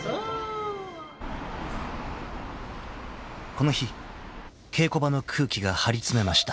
［この日稽古場の空気が張り詰めました］